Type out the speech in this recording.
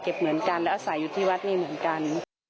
ค่ะเก็บเหมือนกันแล้วอาศัยอยู่ที่วัดเหมือนกัน